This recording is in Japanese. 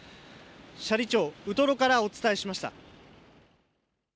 斜里町ウトロからお伝えしました。